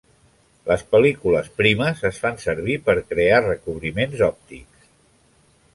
Les pel·lícules primes es fan servir per crear recobriments òptics.